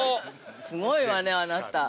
◆すごいわね、あなた。